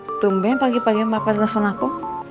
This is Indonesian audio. hai tumben pagi pagi mbak telepon aku